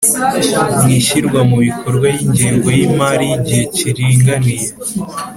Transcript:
mu ishyirwa mu bikorwa y'ingengo y'imari y'igihe kiringaniye